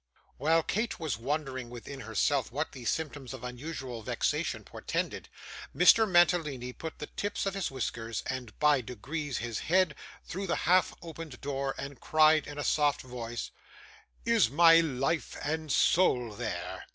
While Kate was wondering within herself what these symptoms of unusual vexation portended, Mr. Mantalini put the tips of his whiskers, and, by degrees, his head, through the half opened door, and cried in a soft voice 'Is my life and soul there?